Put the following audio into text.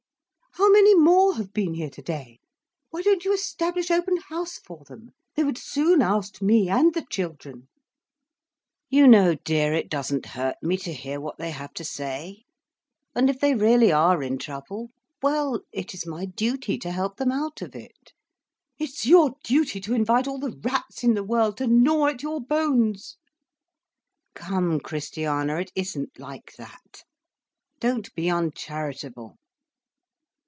"How many more have been here today? Why don't you establish open house for them? They would soon oust me and the children." "You know dear, it doesn't hurt me to hear what they have to say. And if they really are in trouble—well, it is my duty to help them out of it." "It's your duty to invite all the rats in the world to gnaw at your bones." "Come, Christiana, it isn't like that. Don't be uncharitable."